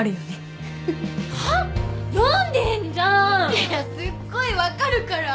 いやすっごい分かるから。